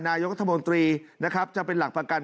นายกรัฐมนตรีนะครับจะเป็นหลักประกัน